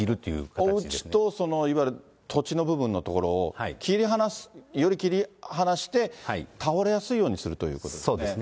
おうちといわゆる土地の部分の所を切り離す、より切り離して、倒れやすいようにするということですね。